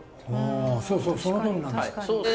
ああそうそうそのとおりなんです。